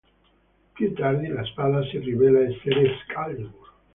Più tardi la spada si rivela essere Excalibur.